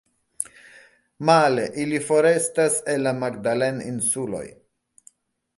Male ili forestas el la Magdalen-Insuloj.